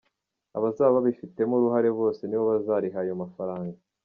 Abazaba babifitemo uruhare bose nibo bazariha ayo mafaranga.